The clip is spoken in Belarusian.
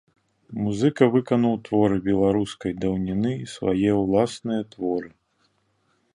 Музыка выканаў творы беларускай даўніны і свае ўласныя творы.